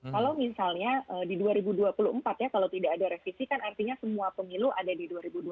kalau misalnya di dua ribu dua puluh empat ya kalau tidak ada revisi kan artinya semua pemilu ada di dua ribu dua puluh